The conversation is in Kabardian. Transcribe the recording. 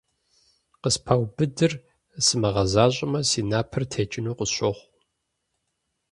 Къыспаубыдыр сымыгъэзащӀэмэ, си напэр текӀыну къысщохъу.